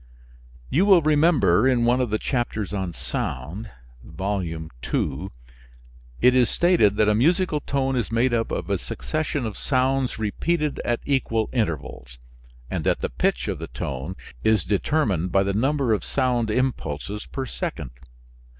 You will remember in one of the chapters on sound (Volume II.), it is stated that a musical tone is made up of a succession of sounds repeated at equal intervals, and that the pitch of the tone is determined by the number of sound impulses per second.